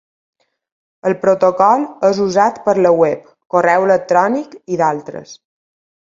El protocol és usat per la web, correu electrònic i d'altres.